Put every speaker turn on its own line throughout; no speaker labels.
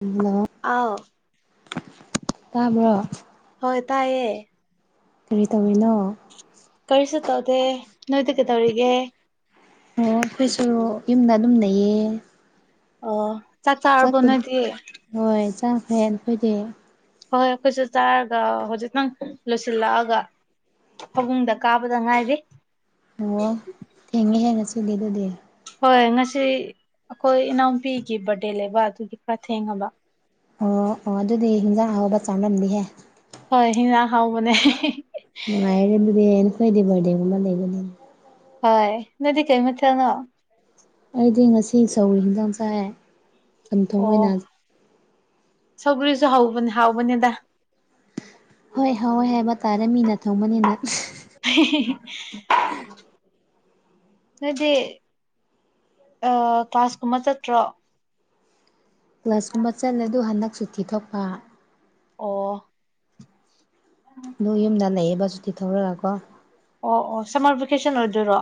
Hello
ꯑꯥꯎ
ꯇꯥꯕ꯭ꯔꯣ
ꯍꯣꯏ ꯇꯥꯏꯑꯦ
ꯀꯔꯤ ꯇꯧꯔꯤꯅꯣ
ꯀꯔꯤꯁꯨ ꯇꯧꯗꯦ ꯅꯣꯏꯗ ꯀꯩꯗꯧꯔꯤꯒꯦ
ꯑꯣ ꯑꯩꯈꯣꯏꯁꯨ ꯌꯨꯝꯗ ꯑꯗꯨꯝ ꯂꯩꯩꯌꯦ
ꯑꯣ ꯆꯥꯛ ꯆꯥꯔꯕꯣ ꯅꯣꯏꯗꯤ
ꯍꯣꯏ ꯆꯥꯈꯔꯦ ꯑꯩꯈꯣꯏꯗꯤ
ꯍꯣꯏ ꯑꯩꯈꯣꯏꯁꯨ ꯆꯥꯔꯒ ꯍꯧꯖꯤꯛꯇꯪ ꯂꯣꯏꯁꯤꯜꯂꯛꯑꯒ ꯐꯕꯨꯡꯗ ꯀꯥꯕꯗ ꯉꯥꯏꯔꯤ
ꯑꯣ ꯊꯦꯡꯉꯦ ꯍꯦ ꯉꯁꯤꯗꯤ ꯑꯗꯨꯗꯤ
ꯍꯣꯏ ꯉꯁꯤ ꯑꯩꯈꯣꯏ ꯏꯅꯥꯎꯄꯤꯒꯤ ꯕꯥꯔꯗꯦ ꯂꯩꯕ ꯑꯗꯨꯒꯤ ꯈꯔ ꯊꯦꯡꯉꯕ
ꯑꯣ ꯑꯣ ꯑꯗꯨꯗꯤ ꯍꯤꯟꯖꯥꯡ ꯑꯥꯎꯕ ꯆꯥꯔꯝꯅꯤꯍꯦ
ꯍꯣꯏ ꯍꯤꯟꯖꯥꯡ ꯑꯍꯥꯎꯕꯅꯦ
ꯅꯨꯉꯏꯌꯦꯅꯦ ꯑꯗꯨꯗꯤ ꯅꯈꯣꯏꯗꯤ ꯕꯥꯔꯗꯦꯒꯨꯝꯕ ꯂꯩꯕꯅꯦ
ꯍꯣꯏ ꯅꯣꯏꯗꯤ ꯀꯩ ꯃꯊꯦꯜꯅꯣ
ꯑꯩꯗꯤ ꯉꯁꯤ ꯁꯧꯒꯔꯤ ꯍꯤꯟꯖꯥꯡ ꯆꯥꯏ ꯆꯝꯊꯣꯡ
ꯑꯣ
ꯑꯣꯏꯅ
ꯁꯧꯒ꯭ꯔꯤꯁꯨ ꯍꯧꯕꯅꯤ ꯍꯥꯎꯕꯅꯦꯗ
ꯍꯣꯏ ꯍꯣꯎꯋꯤ ꯍꯥꯏꯕ ꯇꯥꯔꯦ ꯃꯤꯅ ꯊꯣꯡꯕꯅꯤꯅ
[unintelligible] ꯅꯣꯏꯗꯤ ꯑꯥ ꯀ꯭ꯂꯥꯁ ꯀꯨꯝꯕ ꯆꯠꯇ꯭ꯔꯣ
ꯀ꯭ꯂꯥꯁ ꯀꯨꯝꯕ ꯆꯠꯂꯦ ꯑꯗꯨ ꯍꯟꯂꯛ ꯁꯨꯨꯊꯤ ꯊꯣꯛꯄ
ꯑꯣ [unintelligible]
ꯑꯗꯣ ꯌꯨꯝꯗ ꯂꯩꯌꯦꯕ ꯁꯨꯇꯤ ꯊꯧꯔꯒꯀꯣ
ꯑꯣ ꯑꯣ ꯁꯝꯃꯔ ꯚꯦꯀꯦꯁꯟ ꯑꯣꯏꯗꯣꯏꯔꯣ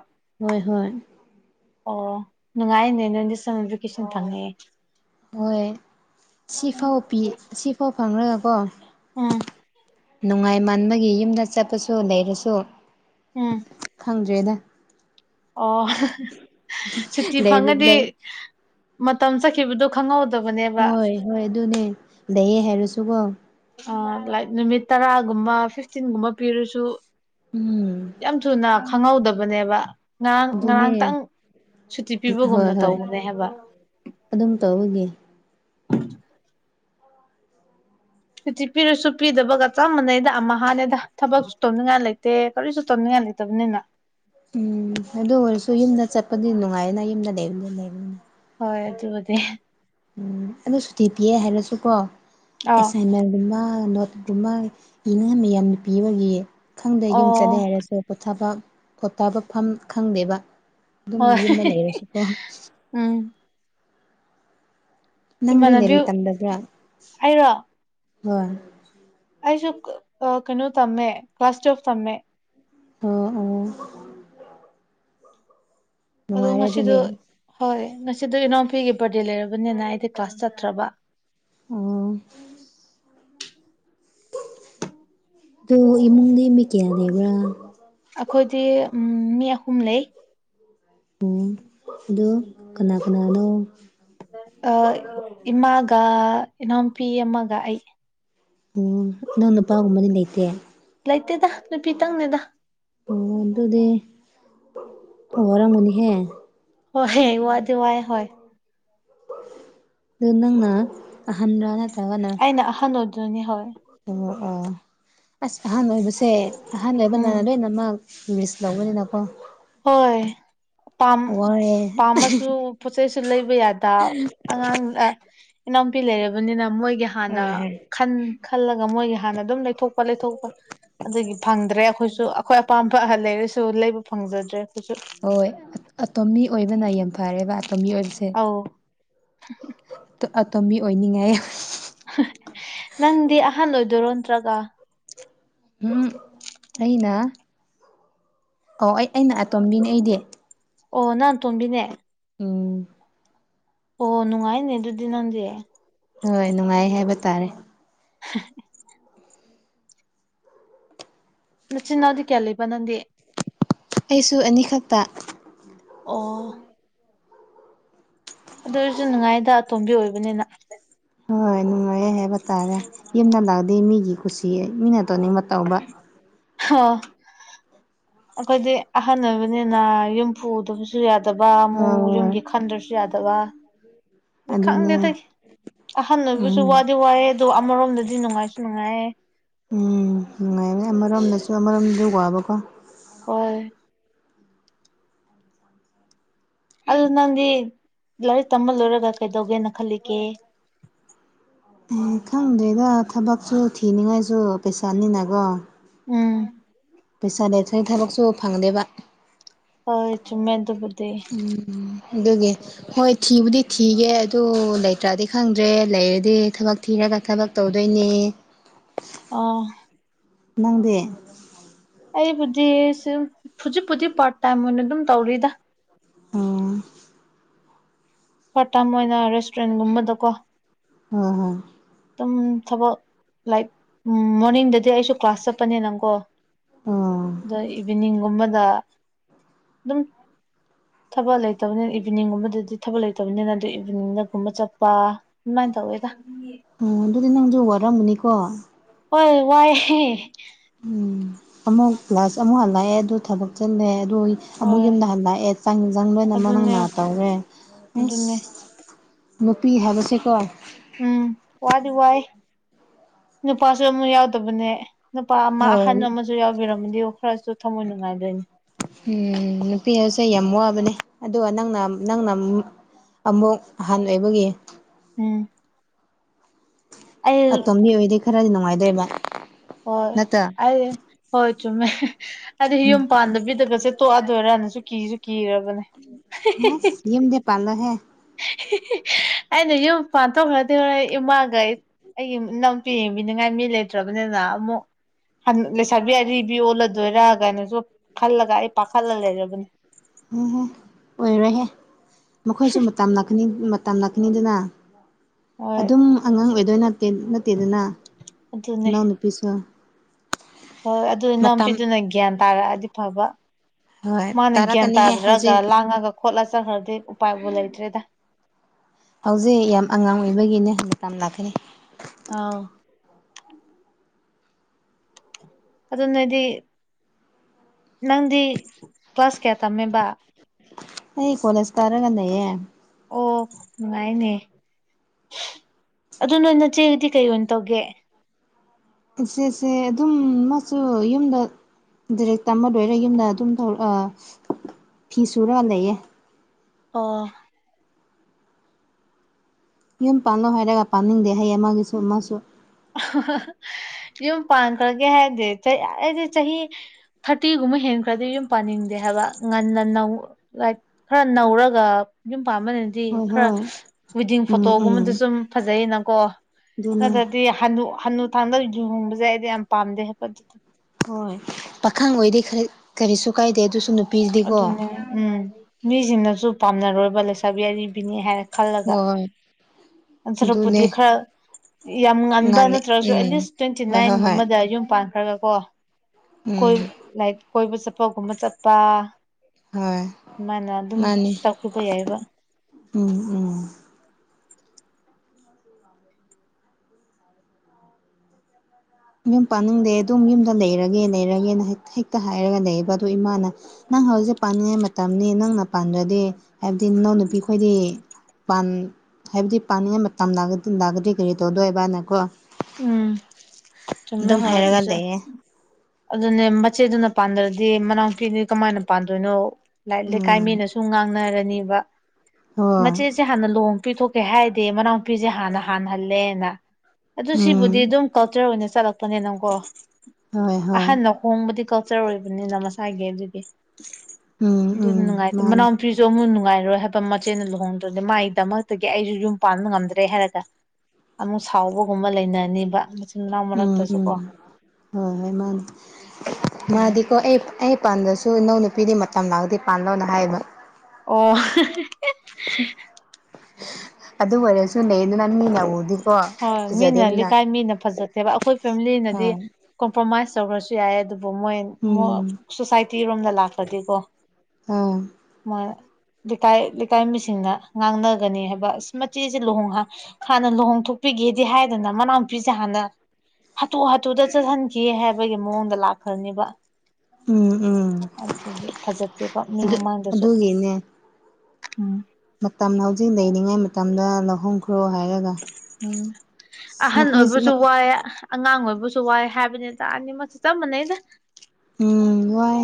ꯍꯣꯏ ꯍꯣꯏ
ꯑꯣ ꯅꯨꯡꯉꯥꯏꯅꯦ ꯅꯪꯗꯤ ꯁꯃꯔ ꯚꯦꯀꯦꯁꯟ ꯐꯪꯉꯦ
ꯍꯣꯏ ꯁꯤꯐꯧ ꯄꯤ ꯁꯤꯐꯧ ꯐꯪꯔꯒꯀꯣ
ꯎꯝ
ꯅꯨꯡꯉꯥꯏ ꯃꯥꯟꯕꯒꯤ ꯌꯨꯝꯗ ꯆꯠꯄꯁꯨ ꯂꯩꯕꯥꯁꯨ
ꯎꯝ
ꯈꯪꯗ꯭ꯔꯦꯗ
ꯑꯣ ꯁꯨꯇꯤ
ꯂꯩꯕ
ꯐꯪꯉꯗꯤ
ꯂꯩ
ꯃꯇꯝ ꯆꯠꯈꯤꯕꯗꯨ ꯈꯪꯍꯧꯗꯕꯅꯦꯕ
ꯍꯣꯏ ꯍꯣꯏ ꯑꯗꯨꯅꯦ ꯂꯩꯌꯦ ꯍꯥꯏꯔꯥꯁꯨꯀꯣ
ꯑ ꯂꯥꯏꯛ ꯅꯨꯃꯤꯠ ꯇꯔꯥꯒꯨꯝꯕ ꯐꯤꯐꯇꯤꯟꯒꯨꯝꯕ ꯄꯤꯔꯁꯨ
ꯎꯝ
ꯌꯥꯝ ꯊꯨꯅ ꯈꯪꯍꯧꯗꯕꯅꯦꯕ ꯉꯔꯥꯡ
ꯑꯗꯨꯅꯦ
ꯉꯔꯥꯡꯇꯪ ꯁꯨꯇꯤ ꯄꯤꯕꯒꯨꯝꯅ
ꯍꯣꯏ ꯍꯣꯏ
ꯇꯧꯕꯥꯅꯦ ꯍꯥꯏꯕ
ꯑꯗꯨꯝ ꯇꯧꯕꯒꯤ
ꯁꯨꯇꯤ ꯄꯤꯔꯁꯨ ꯄꯤꯗꯕꯒ ꯆꯞ ꯃꯥꯟꯅꯩꯗ ꯑꯝꯍꯥꯅꯦꯗ ꯊꯕꯛꯁꯨ ꯇꯧꯅꯤꯡꯉꯥꯏ ꯂꯩꯇꯦ ꯀꯔꯤꯁꯨ ꯇꯧꯅꯤꯡꯉꯥꯏ ꯂꯩꯇꯦ ꯇꯝꯅꯤꯅ
ꯎꯝ ꯑꯗꯨ ꯑꯣꯏꯔꯁꯨ ꯌꯨꯝꯗ ꯆꯠꯄꯗꯤ ꯅꯨꯡꯉꯥꯏꯌꯦꯅ ꯌꯨꯝꯗ ꯂꯩꯕꯅꯦ ꯂꯩꯕꯅꯦ꯫
ꯍꯣꯏ ꯑꯗꯨꯕꯨꯗꯤ
ꯎꯝ ꯑꯗꯨ ꯁꯨꯇꯤ ꯄꯤꯌꯦ ꯍꯥꯏꯔꯁꯨꯀꯣ
ꯑꯥ
ꯑꯦꯁꯥꯏꯟꯃꯦꯟꯒꯨꯝꯕ ꯅꯣꯠ ꯒꯨꯝꯕ ꯏꯅ ꯃꯥꯌꯥꯝ ꯄꯤꯕꯒꯤ ꯈꯪꯗꯦ ꯌꯨꯝ
ꯑꯣ
ꯆꯠꯂꯦ ꯍꯥꯏꯔꯁꯨ ꯄꯣꯊꯥꯕꯝ ꯄꯣꯊꯥꯕ ꯐꯝ ꯈꯪꯗꯦꯕ ꯑꯗꯨꯝ
ꯍꯣꯏ
ꯌꯨꯝꯗ ꯂꯩꯔꯁꯨꯀꯣ
ꯎꯝ
ꯅꯪꯗꯤ
ꯏꯃꯥꯟꯅꯕꯤ
ꯂꯥꯔꯤꯛ ꯇꯝꯗꯕ꯭ꯔꯥ
ꯑꯩꯔꯣ
ꯍꯣꯏ
ꯑꯩꯁꯨ ꯀꯩꯅꯣ ꯇꯝꯃꯦ ꯀ꯭ꯂꯥꯁ ꯇ꯭ꯋꯦꯜꯚ ꯇꯝꯃꯦ
ꯑꯣ ꯑꯣ
ꯑꯗꯣ
ꯅꯨꯡꯉꯥꯏꯔꯦ
ꯉꯁꯤꯗꯣ
ꯑꯗꯨꯗꯤ
ꯍꯣꯏ ꯉꯁꯤꯗꯣ ꯏꯅꯥꯎꯄꯤꯒꯤ ꯕꯥꯔꯗꯦ ꯂꯩꯔꯕꯅꯤꯅ ꯑꯩꯗꯤ ꯀ꯭ꯂꯥꯁ ꯆꯠꯇ꯭ꯔꯕ
ꯑꯣ ꯇꯣ ꯏꯃꯨꯡꯒꯤ ꯃꯤ ꯀꯌꯥ ꯂꯩꯕꯔꯥ
ꯑꯩꯈꯣꯏꯗꯤ ꯃꯤ ꯑꯍꯨꯝ ꯂꯩ
ꯎꯝ ꯑꯗꯨ ꯀꯅꯥ ꯀꯅꯥꯅꯣ
ꯑ ꯏꯃꯥꯒ ꯏꯅꯥꯎꯄꯤ ꯑꯃꯒ ꯑꯩ
ꯑꯝ ꯅꯪ ꯅꯨꯄꯥ ꯒꯨꯝꯕꯗꯤ ꯂꯩꯇꯦ
ꯂꯩꯇꯦꯗ ꯅꯨꯄꯤ ꯇꯪꯅꯦꯗ
ꯑꯣ ꯑꯗꯨꯗꯤ ꯔ ꯃꯅꯤꯍꯦ
ꯍꯣꯏ ꯏ ꯋꯥꯗ ꯋꯥꯥꯏ ꯍꯣꯏ
ꯑꯗꯨ ꯅꯪꯅ ꯑꯍꯟ꯭ꯔꯥ ꯅꯠꯇ꯭ꯔꯒꯅ
ꯑꯩꯅ ꯑꯍꯟ ꯑꯗꯨꯗꯨꯅꯤ ꯍꯣꯏ
ꯑꯣ ꯑꯣ ꯑꯁ ꯑꯍꯥꯟ ꯑꯣꯏꯕꯁꯦ ꯑꯍꯥꯟ ꯑꯣꯏꯕꯅ
ꯎꯝ
ꯂꯣꯏꯅꯃꯛ ꯏꯪꯂꯤꯁ ꯂꯧꯕꯅꯤꯅꯀꯣ
ꯍꯣꯏ ꯄꯥꯝ
ꯋꯥꯔꯦ
ꯄꯥꯝꯃꯥꯁꯨ ꯄꯣꯠ ꯆꯩꯁꯨ ꯂꯩꯕ ꯌꯥꯗ ꯑꯉꯥꯡ ꯂꯥ ꯏꯅꯥꯎꯄꯤ ꯂꯩꯔꯕꯅꯤꯅ ꯃꯣꯏꯒꯤ ꯍꯥꯟꯅ
ꯍꯣꯏ ꯍꯣꯏ
ꯈꯟ ꯈꯜꯂꯒ ꯃꯣꯏꯒꯤ ꯍꯥꯟꯅ ꯑꯗꯨꯝ ꯂꯩꯊꯣꯛꯄ ꯂꯩꯊꯣꯛꯄ ꯑꯗꯨꯒꯤ ꯐꯪꯗ꯭ꯔꯦ ꯑꯩꯈꯣꯏꯁꯨ ꯑꯩꯈꯣꯏ ꯑꯄꯥꯝꯕ ꯑꯍꯜ ꯂꯩꯔꯁꯨ ꯂꯩꯕ ꯐꯪꯖꯗꯦ
ꯍꯣꯏ ꯑꯇꯣꯝ ꯃꯤ ꯑꯣꯏꯕꯅ ꯌꯥꯝ ꯐꯔꯦꯕ ꯑꯇꯣꯝꯕꯤ ꯑꯣꯏꯕꯁꯦ
ꯑꯧ
ꯑꯇꯣꯝꯕꯤ ꯑꯣꯏꯅꯤꯡꯉꯤ
ꯅꯪꯗꯤ ꯑꯍꯥꯟ ꯑꯣꯏꯗꯣꯏꯔꯣ ꯅꯠꯇ꯭ꯔꯒ
ꯎꯝ ꯑꯩꯅ ꯑꯣ ꯑꯩ ꯑꯩꯅ ꯑꯇꯣꯝꯕꯤꯅꯤ ꯑꯩꯗꯤ
ꯑꯣ ꯅꯪ ꯑꯇꯣꯝꯕꯤ ꯅꯦ
ꯎꯝ
ꯑꯣ ꯅꯨꯡꯉꯥꯏꯅꯦ ꯑꯗꯨꯗꯤ ꯅꯪꯗꯤ
ꯍꯣꯏ ꯅꯨꯡꯉꯥꯏ ꯍꯥꯏꯕ ꯇꯥꯔꯦ
[unintelligible] ꯅꯥꯆꯤ ꯅꯥꯅꯥꯎ ꯗꯤ ꯀꯌꯥ ꯂꯩꯕ ꯅꯪꯗꯤ
ꯑꯩꯁꯨ ꯑꯅꯤꯈꯛꯇ
ꯑꯣ ꯑꯗꯨ ꯑꯣꯏꯔꯁꯨ ꯅꯨꯡꯉꯥꯏꯗ ꯑꯇꯣꯝꯕꯤ ꯑꯣꯏꯕꯅꯤꯅ
ꯍꯣꯏ ꯅꯨꯡꯉꯥꯏꯔꯩ ꯍꯥꯏꯕ ꯇꯥꯔꯦ ꯌꯨꯝꯗ ꯂꯥꯛꯗꯦ ꯃꯤꯒꯤ ꯀꯨꯁꯤ ꯃꯤꯅ ꯇꯧꯅꯤꯡꯕ ꯇꯧꯕ
ꯍꯣ ꯑꯩꯈꯣꯏꯗꯤ ꯑꯍꯟꯅꯕꯅꯤꯅ ꯌꯨꯝ ꯄꯨꯗꯕꯁꯨ ꯌꯥꯗꯕ ꯃꯑꯣ
ꯍꯣꯏ
ꯌꯨꯝꯒꯤ ꯈꯟꯗ꯭ꯔꯁꯨ ꯌꯥꯗꯕ ꯑ
ꯑꯗꯨꯅꯦ
ꯈꯪꯗꯦ ꯇ ꯑꯍꯟꯅ ꯑꯣꯏꯕꯁꯨ
ꯎꯝ
ꯋꯥꯗꯤ ꯋꯥꯏꯑꯦ ꯑꯗꯣ ꯑꯃꯔꯣꯝꯗꯗꯤ ꯅꯨꯡꯉꯥꯏꯁꯨ ꯅꯨꯡꯉꯥꯏꯌꯦ
ꯎꯝ ꯅꯨꯡꯉꯥꯏꯔꯦ ꯑꯃꯔꯣꯝꯗꯁꯨ ꯑꯃꯔꯣꯝꯗꯁꯨ ꯋꯥꯕꯀꯣ
ꯍꯣꯏ ꯑꯗꯨ ꯅꯪꯗꯤ ꯂꯥꯏꯔꯤꯛ ꯇꯝꯕ ꯂꯣꯏꯔꯒ ꯀꯩꯗꯧꯒꯦꯅ ꯈꯜꯂꯤꯒꯦ
ꯑꯦ ꯈꯪꯗꯦꯗ ꯊꯕꯛꯁꯨ ꯊꯤꯅꯤꯡꯉꯥꯏꯁꯨ ꯄꯩꯁꯥꯅꯤꯅꯀꯣ
ꯎꯝ
ꯄꯩꯁꯥ ꯅꯦ ꯊꯔꯤ ꯊꯥꯕꯛꯁꯨ ꯐꯪꯗꯦꯕ
ꯍꯣꯏ ꯆꯨꯝꯃꯦ ꯑꯗꯨꯕꯨ ꯗꯤ
ꯎꯝ ꯑꯗꯨꯒꯤ ꯍꯣꯏ ꯊꯤꯕꯨꯗꯤ ꯊꯤꯒꯦ ꯑꯗꯨ ꯂꯩꯇ꯭ꯔꯗꯤ ꯈꯪꯗ꯭ꯔꯦ ꯂꯩꯔꯗꯤ ꯊꯕꯛ ꯊꯤꯔꯒ ꯊꯕꯛ ꯇꯧꯗꯣꯏꯅꯦ
ꯑꯣ
ꯅꯪꯗꯤ
ꯑꯩꯕꯨꯗꯤ ꯁ ꯍꯧꯖꯤꯛꯄꯨꯗꯤꯛ ꯄꯥꯔꯠ ꯇꯥꯏꯝ ꯑꯣꯏꯅ ꯑꯗꯨꯝ ꯇꯧꯔꯤꯗ
ꯑꯥ
ꯄꯇꯥ ꯑꯣꯏꯅ ꯔꯦꯁꯇꯨꯔꯦꯟꯒꯨꯝꯕꯗꯀꯣ
ꯍꯣꯏ ꯍꯣꯏ
ꯑꯗꯨꯝ ꯊꯕꯛ ꯂꯥꯏꯛ ꯃꯣꯔꯅꯤꯡ ꯗꯗꯤ ꯑꯩꯁꯨ ꯀ꯭ꯂꯥꯁ ꯆꯠꯄꯅꯦ ꯅꯥ ꯀꯣ
ꯑꯣ
ꯑꯗ ꯏꯚꯤꯅꯤꯡꯒꯨꯝꯕꯗ ꯑꯗꯨꯝ ꯊꯕꯛ ꯂꯩꯇꯕꯅꯤꯅ ꯏꯚꯤꯅꯤꯡ ꯒꯨꯝꯕ ꯗꯥꯗꯤ ꯊꯕꯛ ꯂꯩꯇꯕꯅꯤꯅ ꯑꯗꯨ ꯏꯚꯤꯅꯤꯡ ꯒꯨꯝꯕ ꯗꯥ ꯆꯠꯄꯥ ꯑꯗꯨꯃꯥꯏꯅ ꯇꯧꯋꯦꯗ
ꯑꯣ ꯑꯗꯨꯗꯤ ꯅꯪꯁꯨ ꯋꯥꯔꯝꯒꯅꯤꯀꯣ
ꯍ‌ꯣꯏ ꯋꯥꯏꯍ‌ꯦ
ꯎꯝ ꯑꯃꯨꯛ ꯀ꯭ꯂꯥꯁ ꯑꯃꯨꯛ ꯍꯜꯂꯛꯑꯦ ꯑꯗꯨ ꯊꯕꯛ ꯆꯜꯂꯦ ꯑꯗꯣꯏ ꯑꯃꯨꯛ
ꯍꯣꯏ
ꯌꯨꯝꯗ ꯍꯜꯂꯛꯑꯦ ꯆꯥꯛ ꯌꯦꯟꯁꯥꯡ ꯂꯣꯏꯅꯃꯛ
ꯑꯗꯨꯅꯦ
ꯅꯪꯅ ꯇꯧꯔꯦ ꯑꯦꯁ
ꯑꯗꯨꯅꯦ
ꯅꯨꯄꯤ ꯍꯥꯏꯕꯁꯦꯀꯣ
ꯎꯝ ꯋꯥꯗꯤ ꯋꯥꯏꯌꯦ ꯅꯨꯄꯥ ꯁꯨ ꯑꯃꯨꯛ ꯌꯧꯗꯕ ꯅꯦ꯫ ꯅꯨꯄꯥ ꯑꯃ
ꯍꯣꯏ
ꯑꯍꯟ
ꯎꯝ
ꯑꯃꯁꯨ ꯌꯥꯎꯕꯤꯔꯝꯃꯗꯤ ꯈꯔꯁꯨ ꯊꯝꯃꯣꯏ ꯅꯨꯡꯉꯥꯏꯗꯣꯏꯅ‌ꯦ
ꯎꯝ ꯅꯨꯄꯤ ꯍꯥꯏꯁꯦ ꯌꯥꯝ ꯋꯥꯕꯅꯦ ꯑꯗ‌ꯣ ꯅꯪꯅ ꯅꯪꯅ ꯑꯃꯨꯛ ꯑꯍꯟ ꯑꯣꯏꯕꯒꯤ
ꯎꯝ ꯑꯩ
ꯑꯇꯣꯝꯕꯤ ꯑꯣꯏꯗꯤ ꯈꯔꯗꯤ ꯅꯨꯡꯉꯥꯏꯗꯣꯏꯕ
ꯍꯣꯏ
ꯅꯠꯇ꯭ꯔꯥ
ꯑꯩ ꯍꯣꯏ ꯆꯨꯝꯃꯦ ꯑꯗ‌ꯣ ꯌꯨꯝ
ꯎꯝ
ꯄꯥꯟꯗꯕꯤꯗꯒꯁ‌ꯦ ꯇꯣꯛꯑꯗꯣꯏꯔꯅꯁꯨ ꯀꯤꯁꯨ ꯀꯤꯔꯕꯅꯦ
ꯍꯝ ꯌꯨꯝꯗꯤ ꯄꯥꯟꯂꯣꯍꯦ
ꯑꯩꯅ ꯌꯨꯝ ꯄꯥꯟꯊꯣꯛꯈ꯭ꯔꯗꯤ ꯏꯃꯥꯒ ꯑꯩꯒꯤ ꯏꯅꯥꯎꯄꯤ ꯌꯦꯡꯕꯤꯅꯤꯡꯉꯥꯏ ꯃꯤ ꯂꯩꯇ꯭ꯔꯕꯅꯤꯅ ꯑꯃꯨꯛ ꯂꯩꯁꯥꯕꯤ ꯑꯔꯤꯕꯤ ꯑꯣꯜꯂꯗꯣꯏꯔꯥ ꯀꯥꯏꯅꯁꯨ ꯈꯜꯂꯒ ꯑꯩ ꯄꯥꯈꯠꯂꯒ ꯂꯩꯔꯕꯅꯦ
ꯎꯝꯍꯨꯝ ꯑꯣꯏꯔꯣꯏꯍꯦ ꯃꯈꯣꯏꯁꯨ ꯃꯇꯝ ꯂꯥꯛꯀꯅꯤ ꯃꯇꯝ ꯂꯛꯀꯅꯤꯗꯅ
ꯍꯣꯏ
ꯑꯗꯨꯝ ꯑꯉꯥꯡ ꯑꯣꯏꯗꯣꯏ ꯅꯠꯇꯦ ꯅꯠꯇ‌ꯦꯗꯅ
ꯑꯗꯨꯅꯦ
ꯅꯅꯥꯎꯅꯨꯄꯤꯁꯨ
ꯍꯣꯏ ꯑꯗꯨ ꯏꯅꯥꯎꯄꯤꯗꯨꯅ ꯒ꯭ꯌꯥꯟ ꯇꯥꯔꯛꯑꯗꯤ ꯐꯕ
ꯍꯣꯏ
ꯃꯥꯅ ꯒ꯭ꯌꯥꯟ
ꯇꯥꯔꯛꯀꯅꯤꯍꯦ
ꯇꯥꯗ꯭ꯔꯒ
ꯍꯧꯖꯤꯛ
ꯂꯥꯡꯉꯒ ꯈꯣꯠꯂ ꯆꯠꯈ꯭ꯔꯗꯤ ꯎꯄꯥꯏꯕꯨ ꯂꯩꯇ꯭ꯔꯦꯗ
ꯍꯧꯖꯤꯛ ꯌꯥꯝ ꯑꯉꯥꯡ ꯑꯣꯏꯕꯒꯤꯅꯦ ꯃꯇꯝ ꯂꯥꯛꯈꯤꯅꯤ
ꯑꯥꯎ ꯑꯗꯨ ꯅ‌ꯣꯏꯗꯤ ꯅꯪꯗꯤ ꯀ꯭ꯂꯁ ꯀꯌꯥ ꯇꯝꯃꯦꯕ
ꯑꯩ ꯀꯣꯂꯦꯖ ꯀꯥꯔꯒ ꯂꯩꯌꯦ
ꯑꯣ ꯅꯨꯡꯉꯥꯏꯌ‌ꯦꯅꯦ ꯑꯗꯨ ꯅꯣꯏ ꯅꯆꯦꯗꯤ ꯀꯩ ꯑꯣꯏꯅ ꯇꯧꯒꯦ
ꯏꯆꯦꯁꯦ ꯑꯗꯨꯝ ꯃꯁꯨ ꯌꯨꯝꯗ ꯗꯥꯏꯔꯦꯛ ꯇꯝꯕꯂ‌ꯣꯏꯔꯦ ꯌꯨꯝꯗ ꯑꯗꯨꯝ ꯑꯥ ꯐꯤ ꯁꯨꯔꯒ ꯂꯩꯌꯦ
ꯑꯣ
ꯌꯨꯝ ꯄꯥꯜꯂ‌ꯣ ꯍꯥꯏꯔꯒ ꯄꯥꯅꯤꯡꯗꯦ ꯍꯥꯏꯌ‌ꯦ ꯃꯒꯤꯁꯨ ꯃꯁꯨ
ꯌꯨꯝ ꯄꯥꯟꯈ꯭ꯔꯒꯦ ꯍꯥꯏꯗ‌ꯦ ꯑꯩꯗꯤ ꯆꯍꯤ ꯊꯥꯔꯇꯤꯒꯨꯝꯕ ꯍꯦꯟꯈ꯭ꯔꯗꯤ ꯌꯨꯝ ꯄꯥꯟꯅꯤꯡꯗꯦ ꯍꯥꯏꯕ ꯉꯟꯅ ꯅꯧ ꯂꯥꯏꯛ ꯈꯔ ꯅꯧꯔꯒ ꯌꯨꯝ ꯄꯥꯟꯕꯅ ꯗꯤ
ꯍꯣꯏ
ꯈꯔ
ꯍꯣꯏ
ꯋꯤꯗꯤꯡ
ꯎꯝ ꯎꯝ
ꯐꯣꯇꯣꯒꯨꯝꯕꯗ ꯁꯨꯝ ꯐꯖꯩꯅꯀꯣ
ꯑꯗꯨꯅꯦ
ꯅꯠꯇꯔ ꯨꯍꯟꯅꯨ ꯍꯟꯅꯨ ꯊꯪꯗ ꯂꯨꯍꯣꯡꯕꯁꯦ ꯑꯩꯗꯤ ꯌꯥꯝ ꯄꯥꯝꯗꯦ ꯍꯥꯏꯕ ꯑꯗꯨꯗ‌ꯣ
ꯍꯣꯏ ꯄꯥꯈꯪ ꯑꯣꯏꯗꯤ ꯀꯔꯤꯁꯨ ꯀꯥꯏꯗꯦ ꯑꯗꯨꯁꯨ ꯅꯨꯄꯤꯗꯤꯀꯣ
ꯑꯗꯨꯅꯦ ꯎꯝ ꯃꯤꯁꯤꯡꯅꯁꯨ ꯄꯥꯝꯅꯔꯣꯏꯕ ꯂꯩꯁꯥꯕꯤ ꯑꯔꯤꯕꯤꯅꯤ ꯍꯥꯏꯔ
ꯍꯣꯏ
ꯑꯗꯨꯏ
ꯑꯗꯨꯅꯦ
ꯁꯔꯨꯛꯄꯨꯗꯤ ꯈꯥꯔ꯭ ꯌꯥꯝ ꯉꯟꯕ
ꯉꯥꯜꯂꯤ
ꯅꯠꯇ꯭ꯔꯒꯁꯨ
ꯎꯝ
ꯑꯦꯠꯂꯤꯁ ꯇ꯭ꯋꯦꯟꯇꯤ
ꯍꯣꯏ ꯍꯣꯏ ꯍꯣꯏ
ꯅꯥꯏꯟꯒꯨꯝꯕꯗ ꯌꯨꯝ ꯄꯥꯟꯈ꯭ꯔꯒ ꯀꯣ ꯀꯣꯏ
ꯎꯝ
ꯂꯥꯏꯛ ꯀꯣꯏꯕ ꯆꯠꯄꯒꯨꯝꯕ ꯆꯠꯄ
ꯍꯣꯏ
ꯑꯗꯨꯃꯥꯏꯅ ꯑꯗꯨꯝ
ꯃꯥꯅꯤ
ꯇꯧꯕ ꯌꯥꯏꯌ‌ꯦꯕ
ꯎꯝ ꯎꯝ ꯌꯨꯝ ꯄꯥꯟꯅꯤꯡꯗꯦ ꯑꯗꯨꯝ ꯌꯨꯝꯗ ꯂꯩꯔꯒꯦ ꯂꯩꯔꯒꯦꯅ ꯍꯥꯏ ꯍꯦꯛꯇ ꯍꯥꯏꯔꯒ ꯂꯩꯌꯦꯕ ꯑꯗꯨ ꯏꯃꯥꯅ ꯅꯪ ꯍꯧꯖꯤꯛ ꯄꯥꯟꯅꯤꯡꯉꯥꯏ ꯃꯇꯝꯅ‌ꯦ ꯅꯪꯅ ꯄꯥꯟꯗ꯭ꯔꯗꯤ ꯍꯥꯏꯕꯗꯤ ꯅꯅꯥꯎꯅꯨꯄꯤ ꯈꯣꯏꯗꯤ ꯄꯥꯟ ꯍꯥꯏꯕꯗꯤ ꯄꯥꯟꯅꯤꯡꯉꯥꯏ ꯃꯇꯝ ꯂꯥꯛꯑ ꯂꯥꯛꯑꯒꯗꯤ ꯀꯔꯤ ꯇꯧꯗꯣꯏꯕꯅꯀꯣ
ꯎꯝ ꯆꯃꯦ
ꯑꯗꯨꯝ
ꯍꯥꯥꯏ
ꯍꯥꯏꯔꯒ
ꯑꯗꯨꯖꯨ
ꯂꯩꯌꯦ
ꯑꯗꯨꯅꯦ ꯃꯆꯦꯗꯨꯅ ꯄꯥꯟꯗ꯭ꯔꯗꯤ ꯃꯅꯥꯎꯄꯤꯅ ꯀꯃꯥꯏꯅ ꯄꯥꯟꯗꯣꯏꯅꯣ ꯂꯩꯀꯥꯏ
ꯎꯝ
ꯃꯤꯅꯁꯨ ꯁꯨꯝ ꯉꯥꯡꯅꯔꯅꯤꯕ
ꯍꯣꯏ
ꯃꯆꯦꯠ ꯁꯦ ꯍꯥꯟꯅ ꯂꯨꯍꯣꯡ ꯄꯤꯊꯣꯛꯀꯦ ꯍꯥꯏꯗꯦ ꯃꯅꯥꯎꯅꯨꯄꯤꯁꯦ ꯍꯥꯟꯅ ꯍꯥꯟꯍꯜꯂꯦꯅ ꯑꯗꯨ ꯁꯤꯕꯨꯗꯤ
ꯎꯝ
ꯑꯗꯨꯝ ꯀꯜꯆꯔ ꯑꯣꯏꯅ ꯆꯠꯂꯛꯄꯅꯦꯅ ꯀꯣ
ꯍꯣꯏ ꯍꯣꯏ
ꯑꯍꯟꯅ ꯍꯣꯡꯕꯗꯤ ꯀꯜꯆꯔ ꯑꯣꯏꯕꯅꯤꯅ ꯃꯁꯥꯒꯤ ꯑꯗꯨꯗꯤ
ꯎꯝ
ꯑꯗꯨ
ꯎꯝ
ꯅꯨꯡꯉꯥꯏꯇꯦ
ꯃꯥꯅꯤ
ꯃꯅꯥꯎꯄꯤꯖꯨ ꯍꯣꯡ ꯅꯨꯡꯉꯥꯏꯔꯣꯏ ꯍꯥꯏꯕ ꯃꯆꯦꯅ ꯂꯨꯍꯣꯡꯗ꯭ꯔꯗꯤ ꯃꯒꯤꯗꯃꯛ ꯑꯗꯒꯤ ꯑꯩꯁꯨ ꯌꯨꯝ ꯄꯥꯟꯕ ꯉꯝꯗ꯭ꯔꯦ ꯍꯥꯏꯔꯒ ꯑꯃꯨꯛ ꯁꯥꯎꯕꯒꯨꯝꯕ ꯂꯩꯅꯅꯤꯕ ꯃꯅꯥꯎ
ꯎꯝ
ꯃꯔꯛꯇꯁꯨ ꯀꯣ
ꯎꯝ ꯍꯣꯏ ꯍꯣꯏ ꯃꯥꯅꯦ
ꯑꯗꯨꯅ
ꯃꯥꯗꯤ ꯍꯣꯏ ꯑꯩ ꯑꯩ ꯄꯥꯟꯗꯁꯨ ꯏꯅꯥꯎ ꯅꯨꯄꯤꯗꯤ ꯃꯇꯝ ꯂꯥꯡꯗꯤ ꯄꯥꯟꯜꯂꯣꯅ ꯍꯥꯏꯌꯦꯕ
ꯑꯣ
ꯑꯗꯨ ꯑꯣꯏꯁꯨ ꯂꯩꯌꯦꯗꯅ ꯃꯤ ꯎꯔ
ꯍꯣꯏ ꯃꯤꯅ ꯂꯩꯀꯥꯏ ꯃꯤꯅ ꯐꯖꯗꯦꯕ ꯑꯩꯈꯣꯏ ꯐꯦꯃꯤꯂꯤꯅꯗꯤ
ꯍꯣꯏ
ꯀꯣꯝꯄ꯭ꯔꯣꯃꯥꯏꯁ ꯇꯧꯔꯁꯨ ꯌꯥꯏ ꯑꯗꯨꯕꯨ ꯃꯣꯏ
ꯎꯝ
ꯁꯣꯁꯥꯏꯇꯤꯔꯣꯝꯗ ꯂꯥꯛꯄꯗꯤꯀꯣ
ꯑꯥ
ꯃꯥ ꯂꯩꯀꯥꯏ ꯂꯩꯀꯥꯏ ꯃꯤꯁꯤꯡꯅ ꯉꯥꯡꯅꯒꯅꯤ ꯍꯥꯏꯕ ꯑꯥ ꯃꯆꯦꯁꯦ ꯂꯨꯍꯣꯡ ꯍꯥꯟꯅ ꯂꯨꯍꯣꯡꯊꯣꯛ ꯄꯤꯒꯦꯗꯤ ꯍꯥꯏꯗꯅ ꯃꯅꯥꯎꯄꯤꯁꯦ ꯍꯥꯟꯅ ꯍꯥꯊꯨ ꯍꯥꯊꯨꯗ ꯆꯠꯍꯟꯈꯤꯌꯦ ꯍꯥꯏꯕꯒꯤ ꯃꯑꯣꯡꯗ ꯂꯥꯛꯈ꯭ꯔꯅꯤꯕ
ꯎꯝ ꯎꯝ
ꯑꯗꯨꯗꯒꯤ ꯐꯖꯗꯦꯕꯣ ꯃꯤ
ꯑꯗꯨ
ꯃꯃꯥꯡꯗꯁꯨ
ꯑꯗꯨꯒꯤꯅꯦ
ꯎꯝ
ꯃꯇꯝ ꯍꯧꯖꯤꯛ ꯂꯩꯔꯤꯉꯩ ꯃꯇꯝꯗ ꯂꯧꯍꯣꯡꯈ꯭ꯔꯣ ꯍꯥꯏ
ꯎꯝ ꯑꯍꯟ
ꯅꯈꯣꯏ
ꯑꯣꯏꯕꯁꯨ ꯋꯥꯏꯑꯦ ꯑꯉꯥꯡ ꯑꯣꯏꯕꯁꯨ ꯋꯥꯏ ꯍꯥꯏꯕꯅꯦꯇ ꯑꯅꯤꯃꯛ ꯆꯞ ꯃꯥꯟꯅꯩꯗ
ꯎꯝ ꯋꯥꯏ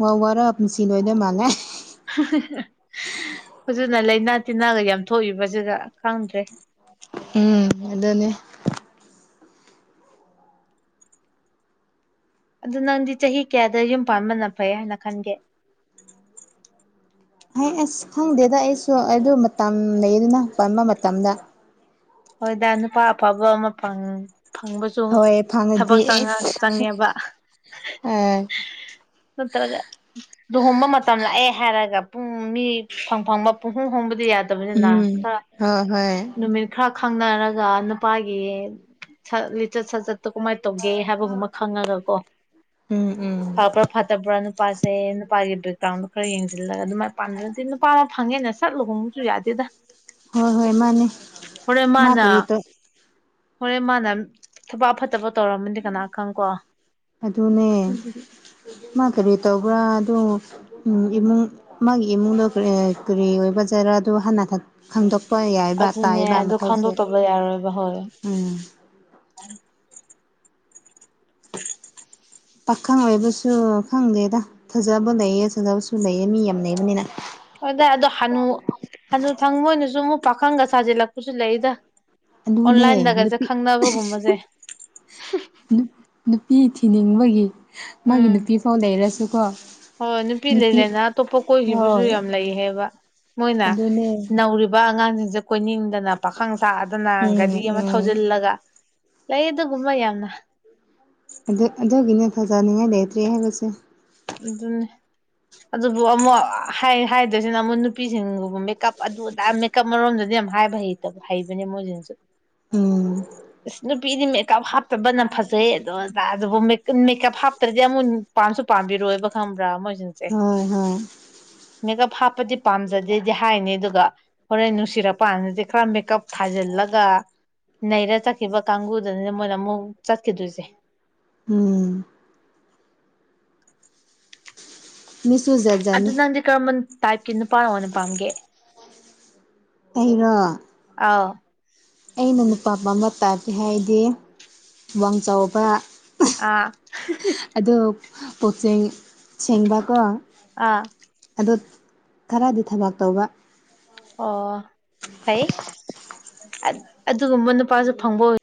ꯋꯥ ꯋꯥꯔ ꯄꯨꯟꯁꯤ ꯂꯣꯏꯗ ꯃꯥꯜꯂꯦ
ꯍꯧꯖꯤꯅ ꯂꯩꯥꯏꯅꯥ ꯇꯤꯟꯅꯥꯒ ꯌꯥꯝ ꯊꯣꯛꯏꯕꯁꯤꯒ ꯈꯪꯗ꯭ꯔꯦ
ꯎꯝ ꯑꯗꯨꯅꯦ
ꯑꯗꯨ ꯅꯪꯗꯤ ꯆꯍꯤ ꯀꯌꯥꯗ ꯌꯨꯝ ꯄꯥꯟꯕꯅ ꯐꯩ ꯍꯥꯏꯅ ꯈꯟꯒꯦ
[inaudible] ꯍꯥꯏ ꯑꯁ ꯈꯪꯗꯦꯗ ꯑꯩꯁꯨ ꯑꯗꯨ ꯃꯇꯝ ꯂꯩꯗꯨꯅ ꯄꯟꯕ ꯃꯇꯝꯗ
ꯍꯣꯏꯗ ꯅꯨꯄꯥ ꯑꯐꯕ ꯑꯃ ꯐꯪꯉ ꯐꯪꯕꯁꯨ
ꯍꯣꯏ ꯐꯪꯉꯗꯤ
ꯊꯕꯛ
ꯑꯦꯁ
ꯆꯪꯉꯦꯕ
ꯑ
ꯅꯠꯇ꯭ꯔꯒ ꯂꯨꯍꯣꯡꯕ ꯃꯇꯝ ꯂꯥꯛꯑꯦ ꯍꯥꯏꯔꯒ ꯄꯨꯡ ꯃꯤ ꯐꯪ ꯐꯪꯕ ꯄꯪꯍꯣꯡ ꯍꯣꯡꯕꯗꯤ ꯌꯥꯗꯕꯅꯤꯅ
ꯎꯝ
ꯈꯔ
ꯍꯣꯏ ꯍꯣꯏ
ꯅꯨꯃꯤꯠ ꯈꯔ ꯈꯪꯅꯔꯒ ꯅꯨꯄꯥꯒꯤ ꯂꯤꯆꯠ ꯁꯥꯠꯆꯠꯇꯣ ꯀꯃꯥꯏꯅ ꯇꯧꯒꯦ ꯍꯥꯏꯕꯒꯨꯝꯕ ꯈꯪꯉꯒ ꯀꯣ
ꯎꯝ ꯎꯝ
ꯐꯕ꯭ꯔꯥ ꯐꯠꯇꯕ꯭ꯔꯥ ꯅꯨꯄꯥꯁꯦ ꯅꯨꯄꯥꯒꯤ ꯕꯦꯛꯒ꯭ꯔꯥꯎꯟꯗꯣ ꯈꯔ ꯌꯦꯡꯁꯤꯜꯂꯒ ꯑꯗꯨꯃꯥꯏꯅ ꯄꯥꯟꯒꯔꯗꯤ ꯅꯨꯄꯥ ꯐꯪꯉꯦꯅ ꯁꯠ ꯂꯨꯍꯣꯡꯕꯁꯨ ꯌꯥꯗꯦꯗ
ꯍꯣꯏ ꯍꯣꯏ ꯃꯥꯅꯦ
ꯍꯣꯔꯦꯟ
ꯃꯥ
ꯃꯥꯅ
ꯀꯔꯤ ꯇꯧ
ꯍꯣꯔꯦꯟ ꯃꯥꯅ ꯊꯕꯛ ꯐꯠꯇꯕ ꯇꯧꯔꯝꯃꯗꯤ ꯀꯅꯥ ꯈꯪ ꯀꯣ
ꯑꯗꯨꯅꯦ ꯃꯥ ꯀꯔꯤ ꯇꯧꯕ꯭ꯔꯥ ꯑꯗꯨ ꯎꯝ ꯏꯃꯨꯡ ꯃꯥꯒꯤ ꯏꯃꯨꯡꯗꯣ ꯀꯔꯤ ꯑꯣꯏꯕ ꯖꯔꯥꯗꯨ ꯍꯥꯟꯅ ꯈꯪꯗꯣꯛ ꯍꯣꯏ ꯌꯥꯏꯕ
ꯑꯗꯨꯅꯦ
ꯇꯥꯛꯏꯕ
ꯑꯗꯨ
ꯃꯊꯧꯁꯦ
ꯈꯪꯗꯣꯛꯇꯕ ꯌꯥꯔꯣꯏꯕ ꯍꯣꯏ
ꯎꯝ
[unintelligible]
ꯄꯥꯈꯪ ꯑꯣꯏꯕꯁꯨ ꯈꯪꯗꯦꯗ ꯐꯖꯕ ꯂꯩꯌꯦ ꯐꯖꯗꯕꯁꯨ ꯂꯩꯌꯦ ꯃꯤ ꯌꯥꯝ ꯂꯩꯕꯅꯤꯅ
ꯍꯗꯥꯏ ꯑꯗꯣ ꯍꯅꯨ ꯍꯅꯨ ꯊꯪꯗ ꯃꯣꯏꯅꯁꯨ ꯑꯃꯨꯛ ꯄꯥꯈꯪꯒ ꯁꯥꯖꯤꯜꯂꯛꯄꯁꯨ ꯂꯩꯗ
ꯑꯗꯨꯨꯅꯦ
ꯑꯣꯟꯂꯥꯏꯟꯗꯒꯁꯦ
ꯅꯨꯄꯤ
ꯈꯪꯅꯕꯒꯨꯝꯕꯁꯦ
ꯅꯨꯄꯤ ꯊꯤꯅꯤꯡꯕꯒꯤ ꯃꯥꯒꯤ
ꯎꯝ
ꯅꯨꯄꯤ ꯐꯥꯎ ꯂꯩꯔꯁꯨꯀꯣ
ꯍꯣꯏ ꯅꯨꯄꯤ ꯂꯩ ꯂꯩꯅ ꯑꯇꯣꯞꯄ ꯀꯣꯏꯈꯤꯕꯁꯨ
ꯍꯣꯏ
ꯌꯥꯝ ꯂꯩ ꯍꯥꯏꯕ ꯃꯣꯏꯅ
ꯑꯗꯨꯅꯦ
ꯅꯧꯔꯤꯕ ꯕ ꯑꯉꯥꯡꯁꯤꯡꯁꯦ ꯀꯣꯏꯅꯤꯡꯗꯅ ꯄꯥꯈꯪ ꯁꯥꯥꯗꯅ
ꯎꯝ
ꯒꯥꯔꯤ ꯑꯃ
ꯎꯝ
ꯊꯧꯖꯤꯜꯂꯒ ꯂꯩ ꯑꯗꯨꯒꯨꯝꯕ ꯌꯥꯝꯅ
ꯑꯗꯨ ꯑꯗꯨꯒꯤꯅꯤ ꯐꯖꯥꯅꯤꯡꯉꯥꯏ ꯂꯩꯇ꯭ꯔꯤ ꯍꯥꯏꯕꯁꯦ
ꯑꯗꯨꯅꯤ ꯑꯗꯨꯕꯨ ꯑꯃꯨꯛ ꯍꯥꯏꯗꯣꯏꯁꯤꯅ ꯑꯃꯨꯛ ꯅꯨꯄꯤꯁꯤꯡꯒꯨꯝꯕ ꯃꯦꯀꯞ ꯑꯗꯨꯗꯥ ꯀꯞ ꯃꯔꯔꯣꯝꯗꯗꯤ ꯌꯥꯝ ꯍꯥꯏꯕ ꯍꯩꯇꯕ ꯍꯩꯕꯅꯦ ꯃꯣꯏꯁꯤꯅꯁꯨ
ꯎꯝ
ꯏꯁ ꯅꯨꯄꯤꯗꯤ ꯃꯦꯀꯞ ꯍꯥꯞꯇꯕꯅ ꯐꯖꯩ ꯑꯗꯨꯗꯣꯖꯕꯨ ꯃꯦꯀꯞ ꯍꯥꯞꯇ꯭ꯔꯗꯤ ꯑꯃꯨꯛ ꯄꯥꯟ ꯔꯣꯏꯕ ꯈꯪꯕ꯭ꯔꯥ ꯃꯣꯏꯁꯤꯡꯁꯦ
ꯍꯣꯏ ꯍꯣꯏ
ꯃꯦꯀꯞ ꯍꯥꯞꯄꯗꯤ ꯄꯥꯝꯖꯗꯦꯗꯤ ꯍꯥꯏꯅꯤ ꯑꯗꯨꯒ ꯍꯣꯔꯦꯟ ꯅꯨꯡꯁꯤꯔꯛꯄꯥꯟꯗꯗꯤ ꯈꯔ ꯃꯦꯀꯞ ꯊꯥꯖꯤꯜꯂꯒ ꯅꯩꯔ ꯆꯠꯈꯤꯕ ꯀꯥꯡꯒꯨꯗꯨꯅꯤꯅ ꯃꯣꯏꯅ ꯑꯃꯨꯛ ꯆꯠꯈꯤꯗꯣꯏꯁꯦ
ꯎꯝ ꯃꯤꯁꯨꯨ ꯖꯠ ꯖꯠꯅꯤ
ꯀꯃꯟ ꯇꯥꯏꯞꯀꯤ ꯅꯨꯄꯥ ꯑꯣꯏꯅ ꯄꯥꯝꯒꯦ
ꯑꯩꯅꯣ
ꯑꯧꯎ
ꯑꯩꯅ ꯅꯨꯄꯥ ꯄꯥꯝꯕ ꯇꯥꯏꯕ ꯍꯥꯏꯗꯤ ꯋꯥꯡ ꯆꯥꯎꯕ
ꯑꯥ
ꯑꯗꯣ ꯄꯣꯇꯆꯩ ꯁꯦꯡꯕꯀꯣ
ꯑꯥ
ꯑꯗꯣ ꯈꯔꯗꯤ ꯊꯕꯛ ꯇꯧꯕ
ꯑꯣ ꯐꯩ ꯑꯗꯨꯒꯨꯝꯕ ꯅꯨꯄꯥꯁꯨ ꯐꯪꯕ ꯑꯣꯏ